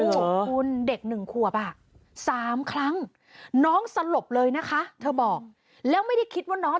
จริงจริงจริงจริงจริงจริงจริง